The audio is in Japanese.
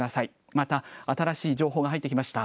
また、新しい情報が入ってきました。